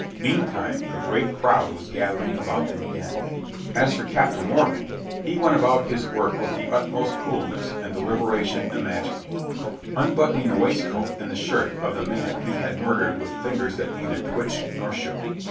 Meantime a great crowd was gathering about them again. As for Captain Morgan, he went about his work with the utmost coolness and deliberation imaginable, unbuttoning the waistcoat and the shirt of the man he had murdered with fingers that neither twitched nor shook.